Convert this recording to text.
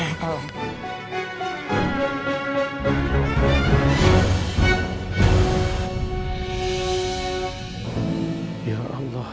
jangan sampai aku nangis